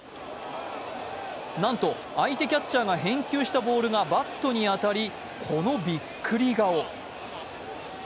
なんと相手キャッチャーが返球したボールがバットに当たりこのビックリ顔。